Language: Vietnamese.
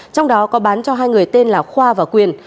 trong đó có bán cho hai người tên là khoa và quyền